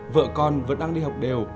vợ con vẫn đang đi học đều